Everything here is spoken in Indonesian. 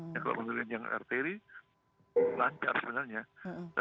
kalau menurut yang arteri lancar sebenarnya